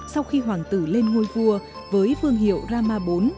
sau khi hoàng tử lên ngôi vua với phương hiệu rama iv